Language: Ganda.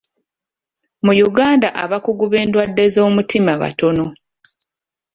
Mu Uganda abakugu b'endwadde z'omutima batono.